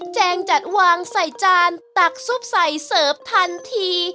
แจงจัดวางใส่จานตักซุปใส่เสิร์ฟทันที